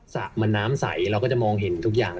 น้ำใสเราก็จะมองเห็นทุกอย่าง